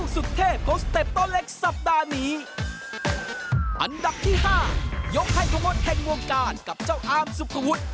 สุดกลัวและทีเดียวเชียบนะครับคุณผู้ชม